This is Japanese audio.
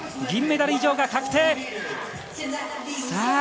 銀メダル以上が確定。